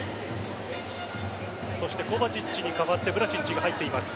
そしてコヴァチッチに代わってヴラシッチが入っています。